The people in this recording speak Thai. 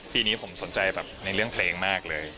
ปีนี้ผมสนใจแบบในเรื่องเพลงมากเลย